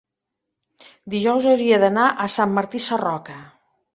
dijous hauria d'anar a Sant Martí Sarroca.